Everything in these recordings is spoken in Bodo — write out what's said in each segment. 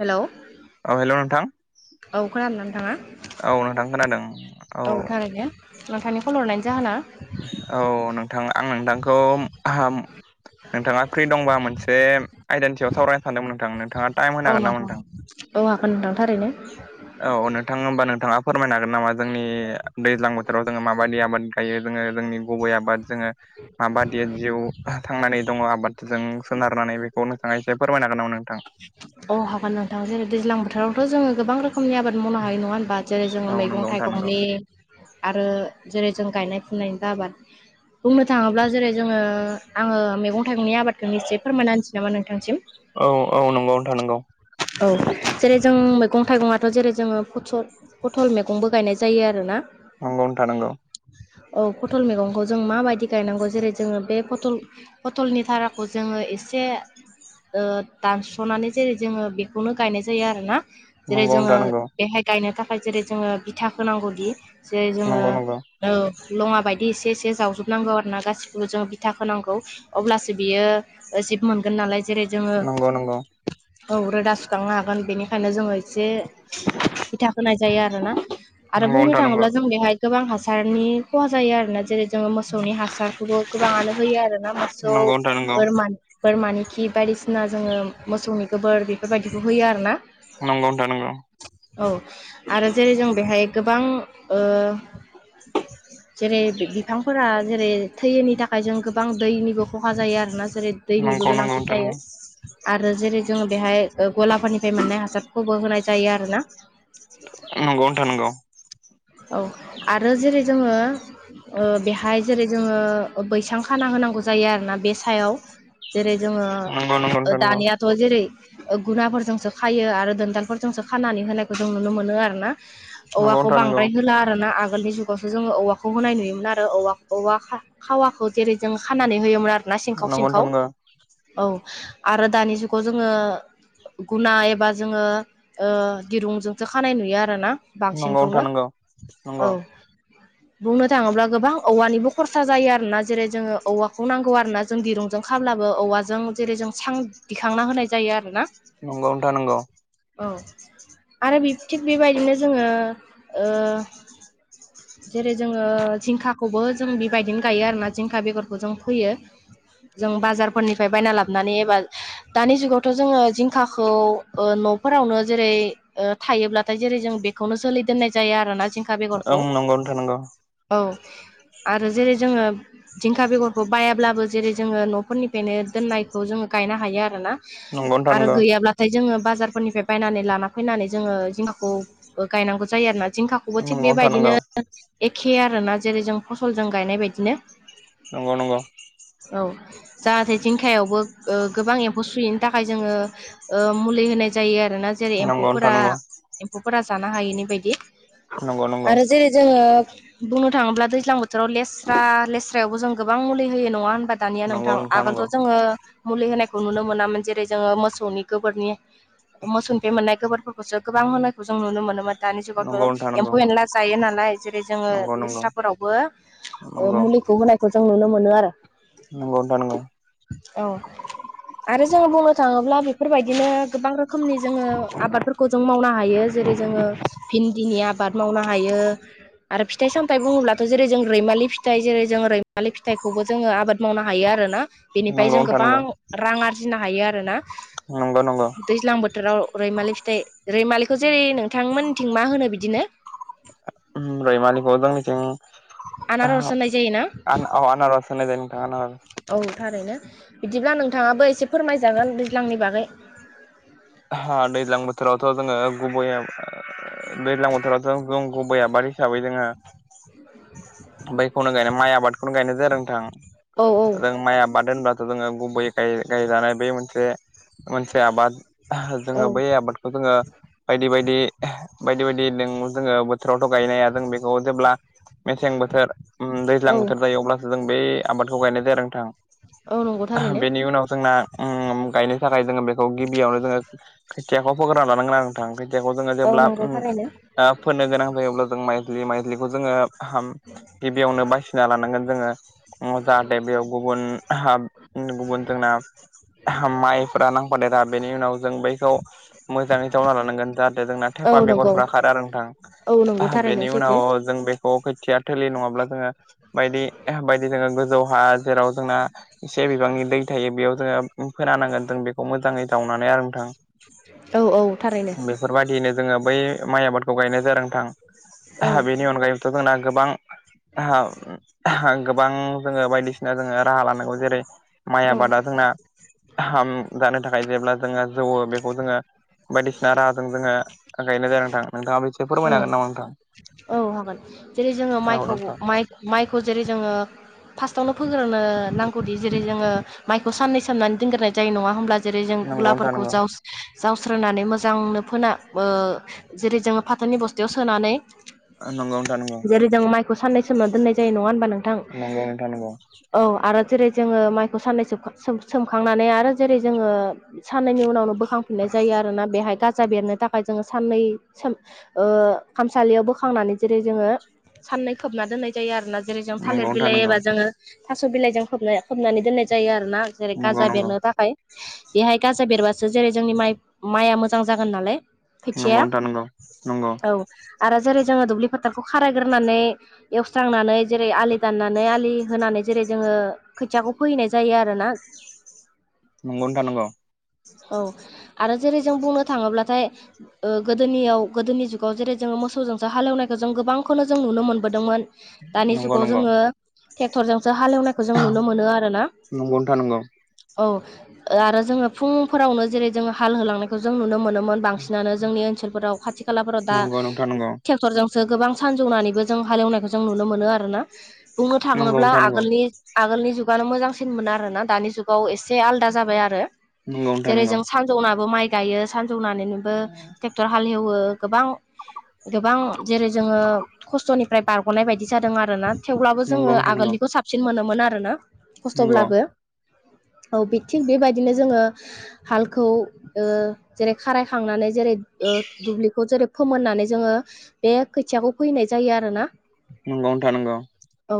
हेल' औ हेल' नोंथां औ खोनादोंना नोंथाङा औ नोंथां खोनादों औ नोंथांनि कल हरनायनायनि जाहोना औ नोंथां आं नोंथांखौ नोंथाङा फ्रि दंबा मोनसे आइदानि सायाव सावरायनो सानदोंमोन नोंथां नोंथाङा टाइम होनो अ हागोन नामा नोंथां हागोन नोंथां थाररैनो औ नोंथां होमबा नोंथाङा फोरमायनो हागोन नामा जोंनि दैज्लां बोथोराव जोङो माबायदि आबाद गायो जोङो जोंनि गुबै आबाद जोङो माबादि जिउ थांनानै दङ आबादजों सोनारनानै बे बेखौ नोंथाङा एसे फोरमायनो हागोन नाम नोंथां औ हागोन नोंथां जेरै दैज्लां बोरावथ जो गोबां रोखोमनि आबाद मावनो हायो नङा होनबा जेरै औ जोङो नंगौ मैगं नोंथां नंगौ थाइगंनि आरो जेरै जों गायनाय फुनायनि आबाद बुंनो थाङोब्ला जेरै जोङो आङो मैगं थाइगंनि आबादखौ निस्सय फोरमायना होनसै नामा नोंथांसिम औ औ नंगौ नोथां नोंगौ औ जेरै जों मैगं थाइगङाथ जेरै जोङो फुथुरर पथल मैगंबो गायनाय जायो आरोना नंगौ नोंथां नंगौ औ पटल मैगंखौ जों माबायदि गायनांगौ जेरै जोङो बे पथल फटलनि धाराखौ जोङो एसे ओ दानस'नानै जेरै जोङो बे खौनो गायनाय जायो आरोना जेरै जोङो नंगौ बेहाय गायनो थाखाय जेरै जोङो बिथा होनांगौदि जेरै जोङो नंगौ नोंथां ओ लङा बायदि एसे एसे जावजोबनांगौ आरो ना गासिखौबो जोंङो बिथा खोनांगौ अब्लासो बियो जिब मोनगोन नालाय जेरै जोङो नंगौ नंगौ औ रोदा सुखांनो हागोन बेनिखायनो जोङो एसे बिथा होनाय जायो आरोना नंगौ आरो बुंनो नोंथां नंगौ थाङोब्ला जों बेहाय गोबां हासारनि खहा जायो आरोना जेरै जोङो मोसौनि हासारखौबो गोबाङानो होयो आरो ना नंगौ मोसौ नोंथां नंगौ बोरमान बोरमानि खि बायदिसिना जोङो मोसौनि गोबोर बेफोरबायदिखौ होयो आरोना नंगौ नोंथां नंगौ औ आरो जेरै जों बेहाय गोबां ओ जेरै बिफांफोरा जेरै थैयैनि थाखाय जों गोबां दैनिबो खहा जायो आरोना ज जेरै नंगौ दैनिबो नंगौ गोनांथि नोंथां जायो आरो जेरै जोङो बेहाय गलाफोरनिफ्राय मोननाय हासारखौबो होनाय जायो आरोना नंगौ नोंथां नंगौ औ आरो जेरै जोङो ओ बेहाय जेरै जोङो बैसां खाना होनांगौ जायो आरोना बे सायाव। जेरै जोङो नोंथां नंगौ दानिया थ' जेरै गुनाफोरजोंसो खायो आरो दोनदालफोरजोंसो खानानै होनायखौ जों नुनो मोनो आरो ना। नंगौ औवाखौ बां नंगौ होला आरो ना आगोलनि जुगावसो जोङो औवाखौ होनाय नुयोमोन आरो औवा औवा खा खावाखौ जेरै जों खानानै होयोमोन आरोना सिंखाव नोंथां सिंखाव। नंगौ औ आरो दानि जुगाव जोङो। गुना एबा जोङो ओ दिरुंजोंसो खानाय नुयो आरो ना। नंगौ नोंथां नंगौ। औ। [inaudible] बुंनो थाङोब्ला गोबां औवानिबो खरसा जायो आरोना जेरै जोङो औवाखौ नांगौ आरोना। जों दिरुंजों खाब्लाबो औवाजों जेरै जों सां दिखांना होनाय जायो आरो ना। नोंगौ नोंथां नोंगौ। औ आरो बि थिग बेबायदिनो जोङो ओ [inaudible] जेरै जोङो जिंखाखौबो जों बेबायदिनो गायो आरोना जिंखा बेगरखौ जों फोयो। जों बाजारफोरनिफ्राय बायना लाबानै एबा दानि जुगावथ' जोङो जिंखाखौ ओ न'फोरावनो जेरै ओ थायोब्लाथाय जेरै जों बेखौनो जोलै दोननाय जायो आरोना जिंखा बेगरखौ। औ आरो जेरै जोङो जिंखा बेगरखौ बायाब्लाबो जेरै जोङो न'फोरनिफ्रायनो दोननायखौ जोङो गायनो हायो आरोना। नंगौ आरो गैयाब्ला थाय जोङो बाजारफोरनिफ्राय बायनानै लाना फैनानै जोङो जिंखाखौ गायनांगौ जायो आरोना जिंखाखौ अबे थिग नोंथां बेबायदिनो नंगौ एखे आरोना जेरै जों फसलजों गायनाय बायदिनो। नंगौ नंगौ। औ। जाहाथे जिंखायावबो गोबां एम्फौ सुयैनि थाखाय जोङो ओ मुलि होनाय जायो आरो। जेरै एम्फफोरा एम्फौफोरा जानो हायैनि बायदि नंगौ नोंथां नंगौ ओं नंगौ नोंथां नंगौ नोंथां नंगौ नोंथां नंगौ आरो जेरै जोङो बुंनो थाङोब्ला दैज्लां बोथोराव लेस्रा लेस्रायावबो जों गोबां मुलि होयो नङा होनबा। दानिया नोंथां आगोलथ' जोङो मुलि होनायखौ नुनो मोनामोन जेरै जोङो मोसौनि गोबोरनि मोसौनिफ्राय मोननाय गोबोरफोरखौसो गोबां होनायखौ जों नुनो मोनोमोन। दानि जुगावथ' नंगौ एम्फौ एनला जायो नालाय जेरै जोङो नंगौ नंगौ लेस्राफोरावबो ओ नंगौ मुलिखौ होनायखौ जों नुनो मोनो आरो नंगौ नोंथां नंगौ। औ। आरो जोङो बुंनो थाङोब्ला बेफोरबायदिनो गोबां रोखोमनि जोङो आबादफोरखौ जों मावनो हायो जेरै जोङो भिन्दिनि आबाद मावनो हायो। आरो फिथाइ सामथाय बुङोब्लाथ' जेरै जों रैमालि फिथाइ जेरै जों रैमालि फिथाइखौबो जोङो आबाद मावनो हायो आरो ना। बेनिफ्राय नंगौ जों नोंथां गोबां नंगौ रां आरजिनो हायो आरोना नंगौ नंगौ नोंथां नंगौ नोंथां नंगौ दैज्लां बोथोराव रैमालि फिथाइ रैमालिखौ जेरै नोंथांमोनथिं मा होनो बिदिनो। उम रैमालिखौ जोंनिथिं आ आनारस होननाय जायोना अ आनारस होननाय जायो नोंथां आनारस। औ थारैनो बिदिब्ला नोंथाङाबो एसे फोरमायजागोन दैज्लांनि बागै। हा दैज्लां बोथोरावथ' जोङो गुबैयै दैज्लां बोथोरावथ' जों गुबै आबाद हिसाबै जोंहा बैखौनो गायनाय माइ आबादखौनो गायनाय जादों नोंथां औ औ जों माइ आबाद होनबा जोङो गुबै गायजानाय बे मोनसे मोनसे आबाद औ जोङो बै आबाद खौ जोङो बायदि बायदि बायदि बायदि जोङो बोथोरावथ' गायनाया जों बेखौ जेब्ला मेसें बोथोर औ दैज्लां बोथोर जायो अब्लासो जों बै आबादखौ गायनाय जाया औ नंगौ नोंथां थारैनो बेनि उनाव जोंना गायनो थाखाय जोङो बेखौ गिबियावनो जोङो खोथियाखौ होग्रोना लानांगोना नोंथां खोथियाखौ जोङो औ जेब्ला नंगौ थारैनो फोननो गोनां जायोब्ला जों माइज्लि माइजलिखौ जोङोाम गिबियावनो बासिना लानांगोन जोङो। जाथे बेयाव गुबुन गुबुन जोंना माइफोरा नांफादेरा बेनि उनाव जों बैखौ मोजाङै जावना लानांगोन जोंना औ थेफा नंगौ बेगरफ्रा खारा आरो औ नंगौ नोंथां थारैनो बेनि सैथो उनाव जों बेखौ खोथिया थोलि नङाब्ला जोङो बायदि बायदि जोङो गोजौहा जेराव जोंना एसे बिबांनि दै थायो बेयाव जोङो फोनानांगोन जों बेखौ मोजाङै जावनानै आरो नोंथां औ औ थारैनो बे बेफोरबायदियनो जोङो बै माइ आबादखौ गायनाय जादोंथां औ द बेनि अनगायैबोथ' जोंना गोबां गोबां जोङो बायदिसिना जोङो राहा लानांगौ जेरै माइ औ आबादा जोंना गाहाम जानो थाखाय जेब्ला जोङो जौवो बेखौ जोङो बायदिसिना राहाजों जोङो गायनाय जायो नोंथां नोंथाङा बिसे औ फोरमायनो हागोन नामा नोंथां औ हागोन जेरै जोङो औ माइखौ नोंथां माइखौ जेरै जोङो फार्स्टआवनो फोग्रोनो नांगौदि जेरै जोङो माइखौ साननै सामनानै दोनग्रोनाय जायो नङा होमब्ला जेरै जों नंगौ नोंथां गुलाफोरखौ नंगौ जाव जावस्रनानै मोजांनो फोना जेरै जोङो फाथोनि बस्थायाव सोनानै आ नंौथा नंांगं जेरै जों माइखौाननायोमोनना दोननाय जायो नङा होनबा नों नंगौ मिथा नंगौ औ आरो जेरै जोङो माइखौ साननै सोमखांनानै आरो जेरै जोङो साननायनि उनावनो बो बोखांफिननाय जायो आरोोना बेहाय गाजा बेरनो थाखाय जोङो साननै खामसालियाव बोां ो खांनानै जेरै जोङो साननाय खोबना दोननाय जायो आरोोना जेरै जों नंगौ थालिर नोंथां नंगौ बिलइबा जोङो थास' बिलाइजों खोब खोबनानै दोननाय जायो आरो ना जेरै नंगौ गाजा नोंथां बेरनो थाखाय बेहाय गाजा बेरबासो जेरै जोंनि माइ माइआ मोजां जागोन नालाय खोथिया नंगौ नंगौ नोंथां नंगौ औ आरो जेरै जोङो दुब्लि फोथारखौ खारायग्रोनानै एवस्रांनानै जेरै आलि दाननानै आलि होनानै जेरै जोङो खोथियाखौ फोहैनाय जायो आरोना नंगौनो था नांगौ औ आरो जेरै जों बुंनो थाङोब्लाथाय गोदोनियाव गोदोनि जुगाव जेरै जोङो मोसौजोंसो हालेवनायखौ जों गोबांखौनो जों नुनो मोनबोदोंमोन दानि नंगौ नंगौ जुगाव जोङो ट्रेक्टरजोंसो हालेवनायखौ जों नुनो मोनो आरोना नावनो थानांगौ औ आरो जोङो फुंफोरावनो जेरै जोङो हाल होलांनायखौ जों नुनो मोनोमोन बांसिनानो जोंनि ओनसोलफोराव खाथि खालाफोराव दा नंगौ ट्रेक्टरजोंसो गोबां सानजौनानैबो जों हालेवनायखौ जों नुनो मोनो आरोना बुंनो नंगौ थाङोब्ला नोंथां नंगौ आगोलनि आगोलनि जुगानो मोजांसिन मोनो आरोना दानि जुग एसे आलादा जाबाय आरो नंगौ नोंथां नंगौ नोंथां नंगौ नोंथां नंगौ जेरै जों सानजौनाबो माइ गायो सानजौनानैनोबो ट्रेक्टर हालेवो गोबां गोबां जेरै जोङो खस्थ'निफ्राय बारग'नाय बायदि जादों आरोना थेवब्लाबो नंगौ जोङो नोंथां नंगौ आगोलनिखौ साबसिन मोनोमोन आरोना नंगौ खस्थ'ब्लाबो औ थिग बेबायदिनो जोङो हालखौ जेरै खारायखांनानै जेरै दुब्लिखौ जेरै फोमोननानै जोङो बे खोथियाखौ फैनाय जायो आरोोना नंगौ नोंथां नंगौ औ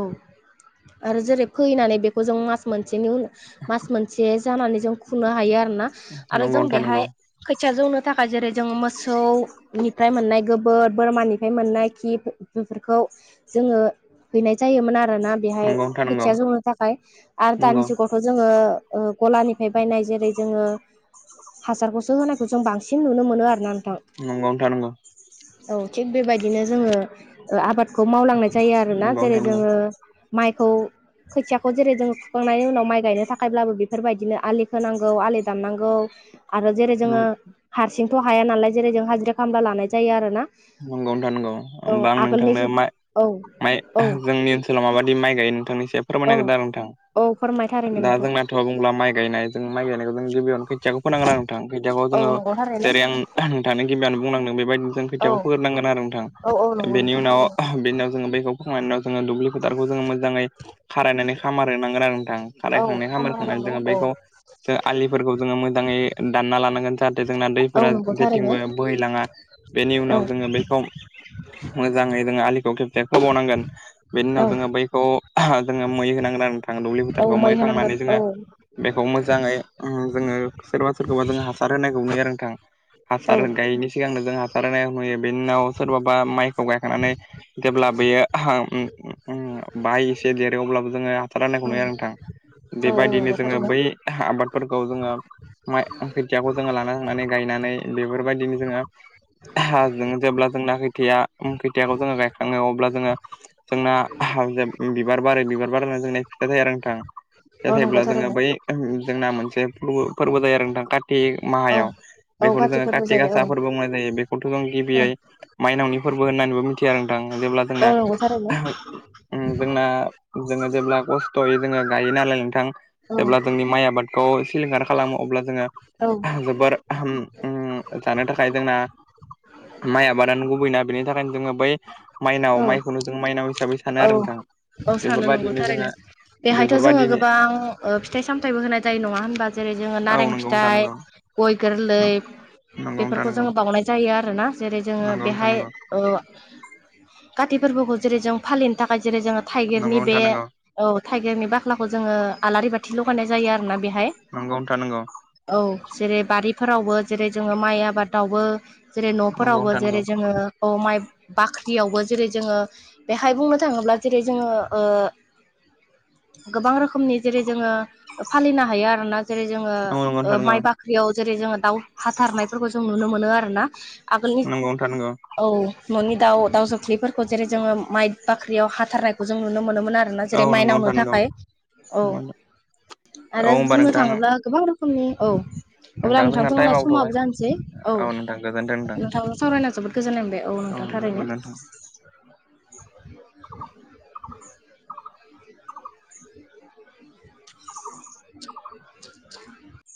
आरो जेरै फैनानै बेखौ जों मास मोनसेनि उनाव मास मोनसे जानानै जों खुनो हायो आरोना आरो नंगौ जों नोंथां नंगौ बेहाय खोथिया जौनो थाखाय जेरै जोङो मोसौनिफ्राय मोननाय गोब बोर बोरमानिफ्राय मोननाय खि बेफोरखौ जोङो हैनाय जायोमोन आरो ना बेहाय खोथिया जौनो थाखाय आरो नंगौ दानि जुगाव खौ जोङो गलानिफ्राय बायनाय जेरै जोङो हासारखौसो होनायखौ जों बांसिन नुनो मोनो आरो ना नोंथां नंगौनो था नंगौ औ थिग बेबायदिनो जोङो ओ आबादखौ मावलांनाय जायो आरोना नंगौ नंगौ नोंथां जेरै नंगौ जोङो माइखौ खोथियाखौ जेरै जोङो फुखांनायनि उनाव माइ गायनो थाखायब्लाबो बेफोरबायदिनो आलि खोनांगौ आलि दामनांगौ आरो जेरै नंगौ जोङो हारसिंथ हाया नालाय जेरै जों हाजिरा खामला लानाय जायो आरो ना? नंगौ नोथां नंगौ ओमबा आं नोंथांनो जुग मा औ माइ औ जोंनि ओनसो दाव माबायदि माइ गायो नोंथांनि एसे फोरमाय औ नागिरदों आरो नोंथां औ फोरमाय थारैनो दा नोंथां जोंना थ बुंब्ला माइ गायनाय जों माइ गायनायखौ जों गिबियावनो खोथियाखौ फोनांगोन आरो नोंथां खोथियाखौ औ जोङो नंगौ थारैनो जेरै आं नोंथाङानो गिबिआवनो बुंलांदों बेबायदिनो जों औ नांगोन आरो नोंथां औ औ नंगौ बेनि नोंथां उनाव थारैनो बिनिउनाव जोङो बेैखौ खांनायनि उनाव जोङो दुब्लि फोथारखौ जोङो मोजाङै खारायनानै खामारहोनांगोन आरो नोंथां। औ खारायखांनाय खामला खामारखांनानै होनांगौ जोङो औ बैखौ जों आलिफोरखौ जोङो मोजाङै दानना लानांगोन जाहाथे जोंना दै औ फोरा नंगौ थारैनो जेथिंबो बोहैलाङा बेनि औ उनाव जों बैखौ मोजाङै जोङो आलिखौ खेबसे खोबावनांगोन बेनि उनाव औ जोङो बै खौ जोङो मै होनांगोन आरो नोंथां दुब्लि औ फुथारखौ मै होनांगोन होखांनानै जोङो औ बेखौ मोजाङै जोङो सोरबा सोरखौबा जों हासार होनायखौ नुयो आरो नोंथां। हासार गायैनि सिगांनो जों हासार होनाय नुयो बेनि उनाव सोरबाबा माइखौ गायखांनानै जेब्ला बेयो बाहाय एसे देरो अब्लाबो जोङो हासार राननायखौ औ नुयो आरो नोंथां। औ बेबायदिनो नंगौ जोङो थारैनो बै आबादफोरखौ जोङो माइ खोथियाखौ जोङो लाना थांनांनानै गायनानै बेफोरबायदिनो जोङो हाजों जेब्ला जोंना खैथाया खैथियाखौ जोङो गायखाङो अब्ला जोङो जोंना बिबार बारो बिबार बारनानै जोंना फिथाइ थायो आरो नोंथां फिथा औ नंगौ थायब्ला जोङो थारैनो बै जोंना मोनसे फोर--फोरबो जायो आरो नोंथां कारति औ माहायाव औ बेखौनो काति जोङो फोरबो कारति जायो औ गासाफोरबो बुंनाय जायो बेखौथ जों औ गिबियै माइनावनि फोरबो होननानैबो मिथिया नोंथां जेब्ला औ जोंना नंगौ थारैनो उम जोंना जोङो जेब्ला खस्थ'यै जोङो गायो नालाय नोंथां? औ जेब्ला जोंनि माइ आबादखौ सिलिंखार खालामो अब्ला जोङो औ जोबोराम जानो थाखाय जोंना माइ आबादानो गुबैना बेनि थाखायनो जोङो बै माइनाव औ माइखौनो जों माइनाव हिसाबै सानो औ आरो नोंथां औ सानो नंगौ बेफोरबायदिनो थारैनो जोङो बेहायथ जोङो बेफोरबायदिनो गोबां ओ ओ फिथाइ सामथायाइबो होनाय जायो नङा होनबा जेरै जोङो औ नारें नंगौ नोंथां फिथाइ नंगौ गय गोरलै नंगौ नोंथां बेफोरखौ नंगौ जोङो बाउनाय जायो आरोना जेरै जोङो नंगौ नोंथां बेहाय नंगौ ओ काति फोरबोखौ जेरै जों फालिनो थाखाय जेरै जोङो नंगौ थाइगिरनि बे नोंथां नंगौ औ थाइगिरनि बाख्लाखौ जोङो आलारि बाथि लगायनाय जायो आरो ना? नंगौ नोथां नंगौ। औ जेरै बारिफोरावबो जेरै जोङो माइ आबादावबो जेरै नफोरावबो नोंथां नंगौ जेरै जोङो औ माइ बाख्रियावबो जेरै जोङो बेहाय बुंनो थाङोब्ला जेरै जोङो ओ गोबां रोखोमनि जेरै जोङो फालिनो हायो आरोना जेरै जोङो नंगौ ओ नोंथां नंगौ माइ बा ख्रियाव जेरै जोङो दाउ हाथारनायफोरखौ जों नुनो मोनो आरोना आगोलनि औ न'नि दाउ दाउ जोख्लिफोरखौ जेरै जोङो माइ बाख्रियाव हाथारनायखौ जों नुनो मोनोमोन आर आरोना औ जेरै नंगौ नोंथां नंगौ नोंथां नंगौ औ नंगौ माइनावनो नोंथां नंगौ थाखाय औ औ आरो होमबा बुंनो नोंथां थाङोब्ला गोबां रोखोमनि औ अब्ला नोंथां जोंना नोंथांथंना टाइमाबो थ'बाय समाबो जानोसै औ नोंथां सावरायना जोबोद गोजोननायबाय औ नोंथां थारैनो [inaudible]